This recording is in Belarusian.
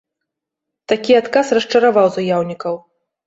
Такі адказ расчараваў заяўнікаў.